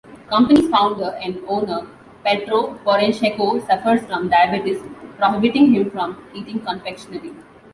Company's founder and owner Petro Poroshenko suffers from diabetes prohibiting him from eating confectionery.